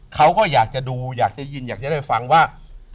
เขาก็อยากจะดูอยากจะยินอยากจะได้ฟังว่า